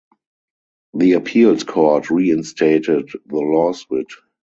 The appeals court reinstated the lawsuit.